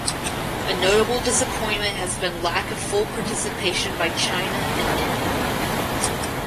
A notable disappointment has been lack of full participation by China and India.